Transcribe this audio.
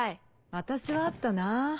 私はあったな。